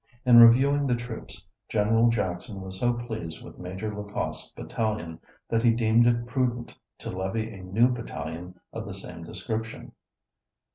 In reviewing the troops, Gen. Jackson was so well pleased with Major Lacoste's battalion, that he deemed it prudent to levy a new battalion of the same description.